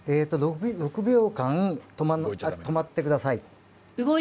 ６秒間止まってください。